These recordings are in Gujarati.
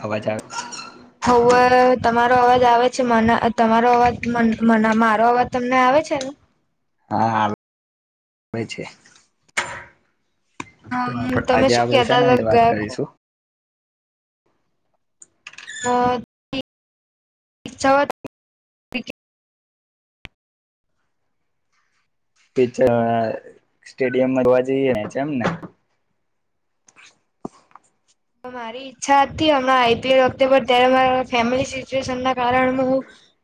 આવાજ આવ્યો હોવે તમારો અવાજ આવે છે મને તમારો અવાજ મને મારો અવાજ તમને આવે આવે છે ને હા, આબે છે તો આપ હમ તમે આજે શું આપડે કેતા શેના હતા ને વાત કરીશું ગયા અ ઈ્છવાત પીચર વાડા સ્ટેડિયમમાં જોવા જઈએ એમને [inaudible] મારી ઈચ્છા હતી હમણાં આઈપીએલ વખતે ત્યારે મારા ફેમિલી સિચ્યુએશન ના કારણ હું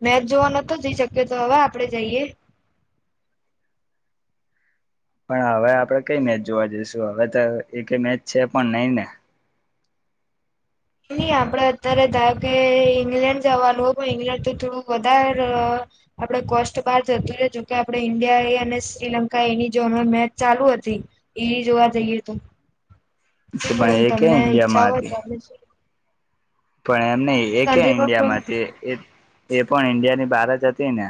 મેચ જોવા નતો જઈ શકેયો તો હવે આપડે જઈએ પણ હવે આપડે કઈ મેચ જોવા જઈશું હવે તો એ કઈ મેચ છે પણ નઈ ને નહી આપડે અત્યારે ધાર કે ઈંગ્લેન્ડ જવાનું હો પણ ઈંગ્લેન્ડ તો થોડું વધારે આપડે કોષ બાર જતું છે જોકે આપે ઈન્ડિયા એ અને શ્રીલંકા એની જોનો મેચ ચાલુ હતી. તી એવી જોવા જઈએ તો કેવું પણ રેહ્યું એ તમને ક્યાં ઈચ્છા ઈન્ડિયામાં હોય હતી તો. પણ એમ નઈ એ બહારની ક્યા કન્ટ્રીમાં પણ ઈન્ડિયામાં હતી એ પણ ઈન્ડિયાની બહારજ હતી ને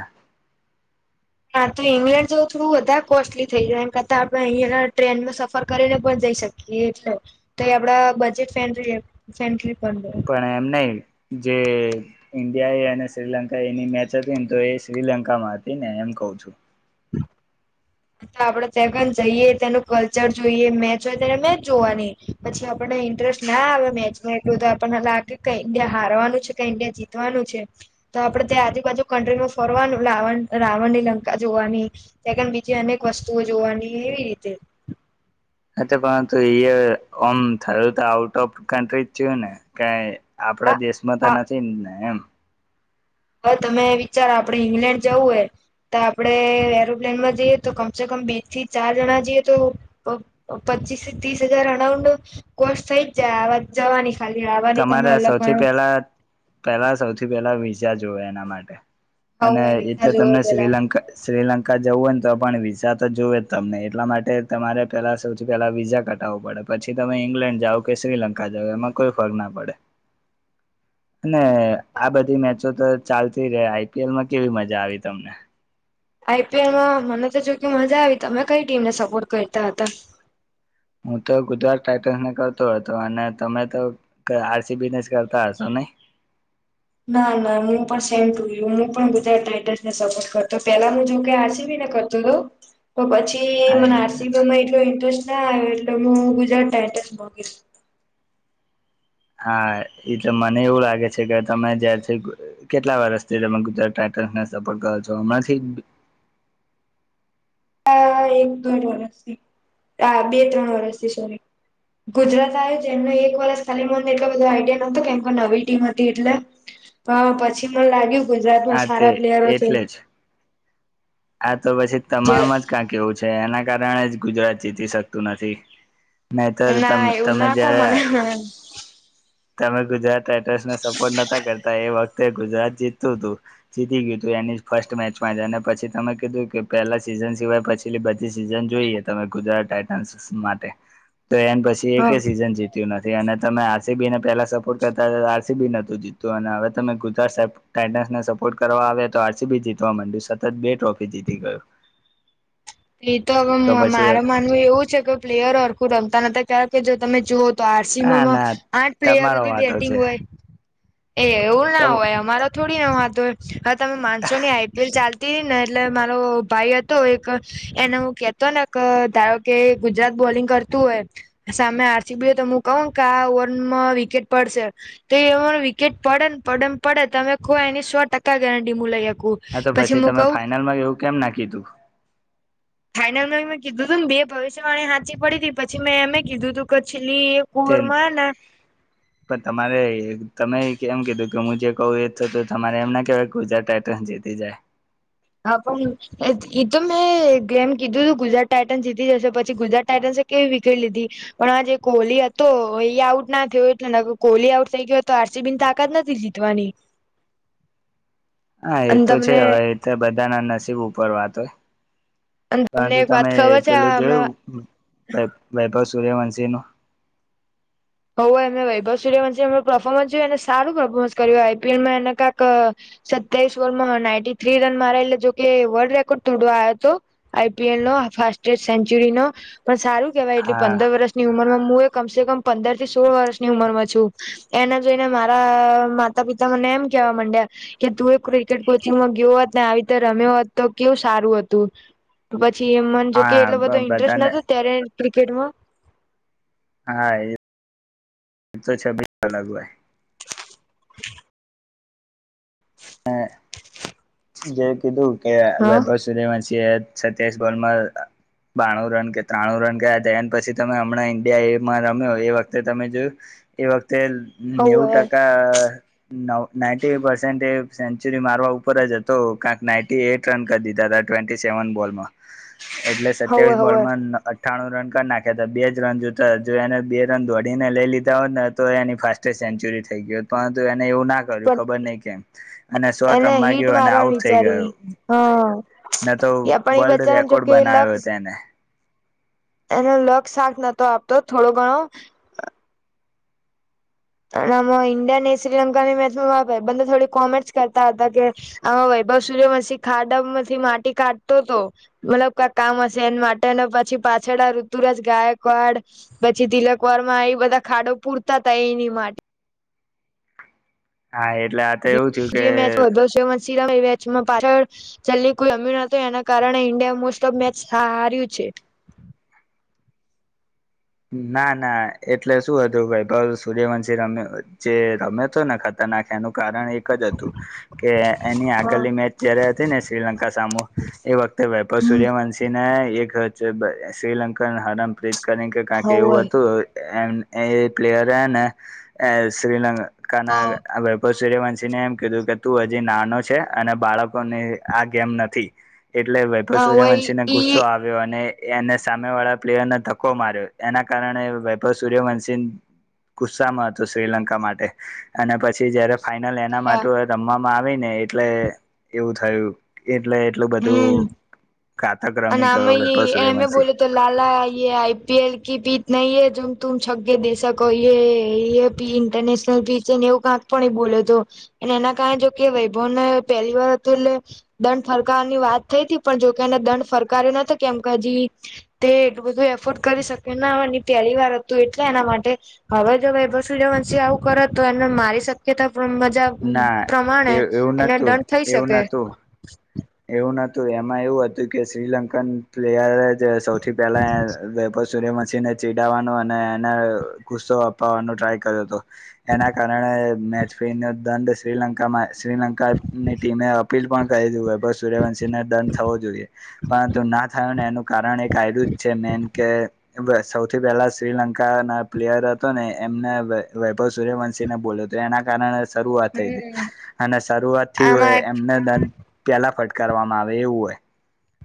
હા તો ઈંગ્લેન્ડ જેવું થોડું વધારે કોસ્ટલી થઈ જાય એના કરતાં આપણે અહીયા ટ્રેનમાં સફર કરીને પણ જ શકીએ એટલે તો એ આપડા બજેટ ફેન ફેનરી પણ એમ નઈ જે ઈન્ડિયા એ અને શ્રીલંકા એની મેચ હતી ને તો એ શ્રીલંકામાં હતી ને એમ કહું છું. અ આપડે તગન જઈએ તેનું કલ્ચર જોઈએ મેચ હોય ત્યારે મેચ જોવાની પછી આપણે ઇન્ટરેસ્ટ ના આવે મેચમાં એટલું તો આપણને લાગે કઈ ઈન્ડિયા હારવાનું છે કે ઈન્ડિયા જીતવાનું છે. તો આપડે ત્યાં આજુબાજુ કન્ટ્રીમાં ફરવાનું લાવણ રાવણની લંકા જોવાની તં જે અનેક વસ્તુઓ જોવાની એવી રીતે.. હતું પરંતુ ઇયે એ ઓમ [unintelligible] આઉટ ઓફ કન્ટ્રી થયું ને ક હા આપણા દેશમાં તો હા નથી ને એમ હવે તમે વિચારો આપડે ઈંગ્લેન્ડ જવું હોય તો આપડે એરોપ્લેન માં જઈએ તો કમસે કમ બીસ થી ચાર જણા જઈએ તો પ પત પચીસથી ત્રીસ હજાર રોઉન્ડ કોસ્ટ થઈજ થાઈ આવાની જવાની ખાલી આવવાની તમે તમારે અલગ સૌથી ગણો પહેલા પેલા સૌથી પેલા વિઝા જોવે એના માટે આવું અને હોય એ તો વિઝા જોવે તમને પેલા શ્રીલંક શ્રીલંક કા જવું હોયે તો પણ વિઝા તો જોએજ તમને એટલા માટે તમારે પેલા સૌથી પેલા વિઝા કટાવું પડે. પછી તમે ઈંગ્લેન્ડ જાઓ કે શ્રીલંકા જાઓ એમાં કોઈ ફર ના પડે અને આ બધી મેચો તો ચાલતી રે આઈપીએલ માં કેવી મજા આવી તમને આઈપીએલમાં મને તો જો કે મજા આવી તમે કઈ ટીમને સપોર્ટ કરતા હતા. હું તો ગુજરાત ટાઈટન્સને કરતો હતો અને તમે તો આરસીબીને કરતા હશો નહી. [inaudible] ના ના હું પણ સેમ ટુ યુ હું પણ ગુજરાત ટ્રેગર્સને સપોર્ટ કરતો પેલા હું જેમ કે આસીબ કરતો તો પણ પછી હા મને એટલે આરસીબ જ. માં એટલો ઇન્ટરેસ્ટ ના એટલે હું ગુજરાત ટાઈટસ માગીશ. હા એ તો મને એવું લાગે છે કે તમે જ્યારથી કેટલા વર્ષથી તમે ગુતરાત ટા સ કર છો હમણાંથી હ એક તોણ વર્ષથી હ બે ત્રણ વરષથી સોરી ગુજરાત આવ જે એમનો એક વરષ ખાલી મનને એટલો બધો આઈડિયા નહોતોું કેમ કો નવી ટીમ હતી એટલે હા પછી મને લાગ્યું ગુજરાતમાં હા તે સારા પ્લેયરો છે. એટલે જ આ તો પછી જે તમામમાં જ ક્યાંક એવું છે એના કારણે જ ગુજરાત જીતી શકતું નથી નહી તો ત ના એવું તમે ના કો જ્યારે મને હા તમે ગુજરાત રાઈટર્સને સપોર્ટ નતા કરતા એ વખતે ગુજરાત જીતું હતું જીતી ગયું તું એની ફર્સ્ટ મેચમાં જને પછી તમે કીધું કે પહેલા સીઝન સિવાય પછીલી બધી સીઝન જોઈએ તમે ગુજરાત ટઇટ માટે તો એ પછી એક સિઝન જીત્યું નથી અને તમે બી ને પહેલા સપોર્ટ કરતા હતા આરસી બી નોતું જીતું અને હવે તમે ગુજરાત ટાસને સપોર્ટ કરવા તો આરસીબી જીતવા માંડ્યું સતત બે ટ્રોફી જીતી ગય એ તો હવે મારે માનવું એવું છે કે પ્લેયર આળખું રમતા નથી કારણ કે જો તમે જુઓ તો ના આરસીમાંમાં ના આઠ તમારો પ્લેયરોધી વાતો બેટિંગ છે હોય એ એવું ના તો હોય અમારા થોડીને વાત હોય હવે તમે માણસો ની આઈપીએલ ચાલ હતીને એટલે મારો ભાઈ હતો એક એને હું કેતો ને ધારો કે ગુજરાત બોલિંગ કરતું હોય સામે આરસી બી હું કહ કે આ ઓવરમાં વિકેટ પડશે તો એ વિકેટ પડે ને પડે ને પડે તમે એની સો ટકા ગેરંટી મુ લ હા તો પછી તમે ફાાઈનલમાં એવું કેમ નાખી તું ફાઈનલ ન મેં કીધું હતું ને બે ભવિષ્યવાણી સાાચી પડી હતી પછ મેં એમમે કીધું તું ક પલી તે કવર માં ને પણ તમારે તમે કેમ કીધું કે હું જે કહું એ તો તો તમારે એમ ના કહેવાય કે ગુજરાત ટઇટન જીતી જાય હા પણ એ તો મેં ગેમ કીધું તું ગુજરાત ટાઇટન જીતી જશે પછી ગુજરાત ટાઇટનસ કેવી વિકેટ લીધી પણ આ જે કોહલી હતો એ આઉટ ના થયો એટલે કોહલી આઉટ થઈ ગયો હતો પસી બીન તાકાત નથી જીતવાની હા એ અને તો છે તમને હવે બધા ના નસીબ ઉપર વાત હોય અને તમને પરંતુ એક વાત તમે ખબર છે પેલું હમણાં જોયુંપાસ સૂર્યવંશીનું એમે વૈભવ સૂર્યવંશ એ પરફોર્મન્સ જોયું એને સારું પર્ફોર્મન્સ કર્યું આઈપીએલમાંને કક સસ ઓવર નાન્ટ થ્રી રન મારે એટલે જોકે વર્લ્ડ રેકોર્ડ તોડવા આવ્યો હતો આઈપીએલ ન સેન્ચુરી ન પણ સારું કેવાય એટલે હા પંદર વર્ષની ઉંમરમાં હું એ કમસે કમ પંદર થી સોળ વર્ષની ઉંમર માં છું એને જોઈને મારા માતા પિતા મને એમ કેવા માંડ્યા કે તું એ ક્રિકેટ કોચિંગમાં ગયો હોત ને આવી રીતે રમ્યો હોત તો કેવું સારું હતું પછી એ મન જો કે હા એટલો બધો ઇન્ટરેસ્ટ બધાને ના ત્યારે ક્રિકેટમાં હા એ તો છબી અ લગવાય [inaudible] [unintelligible] જે કીધું કે હા વૈભવ સુધવંશી એ સત્યાવીસ ગોલમાં બાણું રન કે ત્રાણું રન કરયા હતા પછી તમે હમણાં ઈન્ડિયા એમાં રમ્યો એ વખતે તમે જોયું એ વખતે નેવું હોવે ટકા નાઇન્ટી પર્સેન્ટ એ સેન્ચુરી મારવા ઉપર જ તો કક નાન્ટી એટ રન કરી દીધા ટવેી સેવન બોલમાં એટલે હોવે સત્યાવીસ હોવે બોલમાં અઠ્ણું રન કરી નાખ્યા હતા બે જ રન જોતા જો એને બે રન દોડીને લઈ લીધા હોત ને તો એની ફાસ્ટેસ્ટ ગંતુ એને એવું ના કર્યું પણ ખબર નહી કેમ અને સો એને ટ્રમમાં ગ હીટ મારવાનું આઉટ થઈ ગયો વિચારી હા ન તો પણ એ વર્લ્ડ બચ્ચાને રેકોર્ડ જોકે લક બનાવ્યો તેને એનો લક્ષ શાક નતો આપતો થોડો ગણો અને આમાં ઈન્ડિયા ને શ્રીલંકાની મેચમાં બા થોડી કોમેન્ટસ કરતા હતા કે આમાં બ સૂર્યમશ ખાડા માંથી માટી કાઢતો હતો મતલબ ક કામ હશે એને માટે અને પછી પાછળ આ ઋતુરાજ ગાયકવાડ પછી તિલકવાર માં એ બધા ખાડો પૂરતા થાય એ વા હા એટલે આ તો એવું થયું કે જે મે તો વૈભવ સુયૅવંશી પાછળ છેલ્લી કોઈ રમ્યું નોતુ એના કારણે ઇન્ડિયા મોસ્ટ ઓફ મેચ હા હાર્યું છે હ [inaudible] ના ના એટલે શું હતું ભાઈ ભ સૂર્યવંશ રમે જે રમે તો ને ખતા ના એનુ કારણ એકજ હતું કે એની હા આગળની મેચ જયારે હતી ને શ્રીલંકા સામો એ વખતે વૈભવ હમ સુયૅવંશી ના એકજ શ્રીલંકન હરામ પ્રીત કરી કરને કા એવું હતું એમ એ પ્લેયરને એ શ્રીલ કા સૂર્યવંશીને એમ કીધું કે તું જે નાનો છે અને બાળકોને આ ગેમ નથી એટલે વૈભવ સૂર્યવંશીને ગુસ્સો આવ્યો અને એને સામે વાળા પ્લેયરને ધક્કો માર્યો એના કારણે વૈભવ સૂર્યવંશી ગુસ્સામાં હતું શ્રીલંકા માટે અને પછી જયારે ફાઈનલ એના માટે રમવામાં આવી ને એટલે એવું થયું એટલું બધું ઘાતક અને રમી ગયો વૈભવ નામે એ સૂર્યવંશી બોલો તો લાલા આઈપીએલ કે પી નહી એ જેમ તું છગે દેેશા ક પી ઇન્ટરનેશનલ પીચ છે ને એવું કાંક પણ એ બોલે તો અને એના કારણે જોકે વૈભવને પહેલી વાર હતું એટલે દંડ ફર ની વાત થઈ પણ જોકે એને દંડ ફરકાર્યો ન કેમ કે હજી તે એટલું બધું એફોર્ડ કરી શ ના ની પેલી વાર હતું એટલે એના માટે હવે જો વૈભવ સુયૅવંશી આવું કરે તો એ મારી શક્યતા મજા ના પ્રમાણે એ એવું એને નતું દંડ થઈ એવું શકે નતું એવું નતું એમાં એવું હતું કે શ્રીલંકન પ્લેયરે જ સૌથી પહેલા અ વૈભવ સુયૅવંશી સૂર્યવંશી ને ચીડાવવાનો અને એને ગુસ્સો અપાવવાનો ટ્રાય કર્યો હતો એના કારણે મેચ ફેરીનો દંડ શ્રીલંકામાં શ્રીલંકાની ટીમે અપીલ પણ કરીધ બસ રંધુવશી ને દંડ થવો જોઈએ પરંતુ ના થયોને એનું કારણ એક આ્યું જ છે મેન કે સૌથી પહેલા શ્રીલંકા ના પ્લેયર હતો ને એમને સર્યવંશીને બોલો હતો એના કારણે શુરુઆત થઈ થી હમ્મ. અને શરૂઆત થી હોય આમાં એમને દંડ પેલા કરવામાં આવે એવું હોય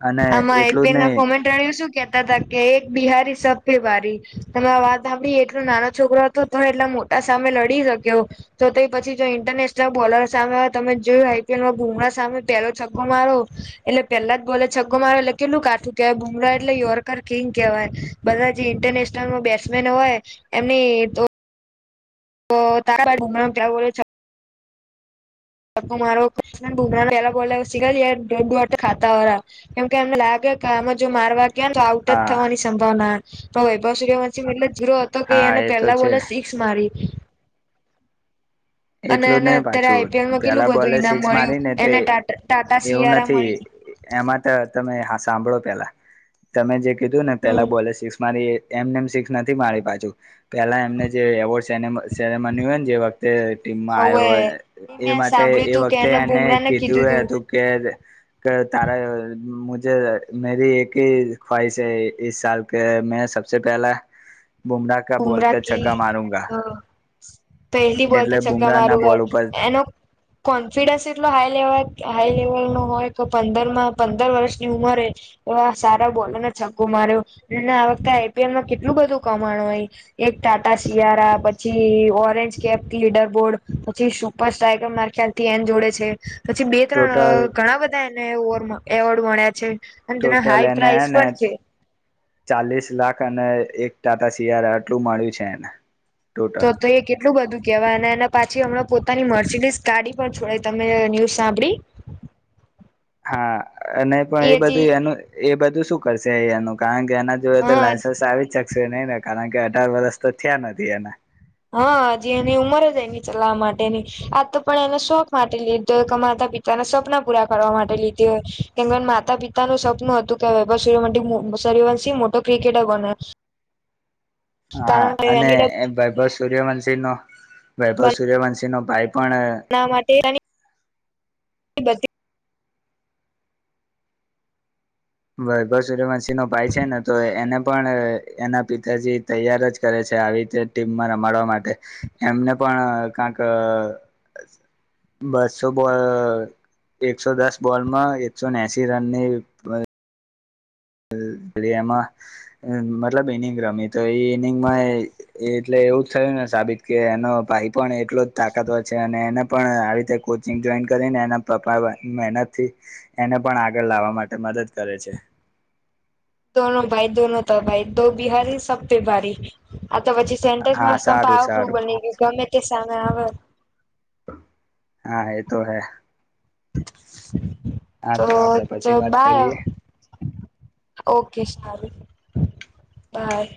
અને આમાં એટલું જ આઈપીએલ ના નહી કોમેન્ટ રણ્યું શું કેતા હતા કે એક બિહારી સબ ને ભારી તમે વાત આપી એટલો નાનો છોકરો હતો તો એટલા મોટા સામે લડી શક્યો તો તે પછી જો ઇન્ટરનેશનલ બોલર સામે તમે જોયું આઈપીએલમાં હ સામે પેલો છ્કો મારો એટલે પેલા જ બોલે છક્કો મારે એટલે કેટલું કાથું કહેવાય ભુમરા એટલે યોરકર કિંગ કહેવાય બધા જે ઇન્ટરનેશનલમાં બે બેસ્ટમેન હોય એમની તો તો તારા નામ ક્યાં બોલે છે મારો ક બુમરા પેલા બોલે ખાતા હો કેમ કે એમને લાગે [inaudible] આમાં જો મારવા ગયા તો આઉટ જ હા થવાની સંભાવના પણ વૈભવ સુયૅવંશી મતલબ જરો હતો કે હા એને એ તો પેલા છે બોલે સિક્સ મારી અને એટલું એને નહી અત્યારે પાછું આઈપીએલમાં કેટલું પેલા બધું બોલે ઈનામ સિક્સ મળ્યું મારી ને તે એને ટાટા ટાટા એવું સિયારા નથી મળી એમાં તો તમે હા સાંભળો પેલા તમે જે કીધું ને હમ પેલા બોલેસિક્સ મારી એમને એમ શિક્સ નથી મારુ પાછું પેલા એમને જે એવોર્ડ સેરે સેરેમન હોય ને જે વખતે ટીમમાં હવે આવ્યો એ મેં માટે સાંભળ્યું એ તું કે વખતે એને બુમરાહ ને કીધું તું હતું કે તાર મેરી એક જ ખવાઇશ હૈ ઇસ સાલ કા મે સબસે પહેલા બુમડા કા બોલ બુમરાહ ને કી છગ્ગા મારુંંગા અ પહેલી બોલ પે છક્કા મારુગા બોલ ઉપર એનો કોન્ફિડન્સ એટલો હાય લેવાલ કે હાઈ લેવલ નો હોય કે પંદરમાં પંદર વર્ષની ઉંમરે એવા સારા બોલ છકકો માર્યો અને આ વખતે આઈપીએલમાં કેટલું બધું કમાણું હોય. એક ટાટા શિયારા પછી, ઓરેન્જ કેપ લીડરબોર્ડ, પછી સુપર સાઈક મારા ખ્યાલથી એને જોડે છે, પછી બે ટોટલ ત્રણ ઘણા બધા એને એવોર્ડ મળ્યા છે. અને તેના ટોટલ હાઈ પ્રાઇસ એનેને પણ છે ચાલીસ લાખ અને એક ટાટા શિયાલા આટલું મળ્યું છે એને તો ટોટલ તો એ કેટલું બધું કેવાય અને એના પાછી હમણા પોતાની મર્ચિડીસ ગાડી પર છોડાય તમે ન્યૂઝ સાંભળી હા અને પણ એ બધું એનું એ બધું શું કરશે એનું કારણ કે ત્યાના જો તો હા લાયસન્સ આવી શકશે નહી ને કારણ કે અઢાર વર્સ તો થયા નથી એના હા હજી એની ઉમર જાય ની ચલાવવા માટેની આ તો પણ એને શોખ માટે લી કમાતા પિતાના સપના પૂરા કરવા માટે લીધી હોય, કેમ માતા પિતાનું સપનું હતું કે બર સરીવાનસી મોટો ક્રિકેટર બને. [unintelligible] [inaudible] હા કારણ કે અને બનાવવા વૈભવ સૂર્યવંશીનો વૈભવ સૂર્યવંશીનો ભાઈ પણ આના માટે બધી વૈભવ સૂર્યવંશીનો ભાઈ છે ને તો એને પણ એના પિતાજી તૈયાર જ કરે છે. આવી રીતે ટીમમાં રમાડવા માટે એમને પણ કાક બસો બોલ એકસો દસ બોલમાં એકસોનેએસી રનની મતલબ ઈનિંગ રમી તો એ ઈનિંગમાં એટલે એવું થય સાબિત કે એનો ભાઈ પણ એટલો જ તાકાતર છે અને એને પણ આવી રીતે જો કરીને એના પપા મહેનતથી એને પણ આગળ લાવવા માટે મદદ કરે છે. [unintelligible] [inaudible] દોનો ભાઈ, દોનો ત ભાઈ તો બિહારી સબપે ભારી આ તો પછી સેન્ટરસ હા મસ્તમ સારું પાવરફ્રુલ સારું બની ગયુ ગમે તે સામે આવે. હા એ તો હે હા તો આપડે તો પછી વાત બાય કરીએ ઓ ઓકે સારું બાય